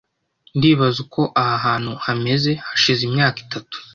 Ndibaza uko aha hantu hameze hashize imyaka itatu .